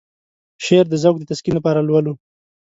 شعر د ذوق د تسکين لپاره لولو.